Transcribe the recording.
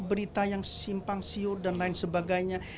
berita yang simpang siur dan lain sebagainya